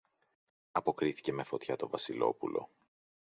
αποκρίθηκε με φωτιά το Βασιλόπουλο.